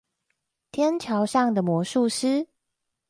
天橋上的魔術師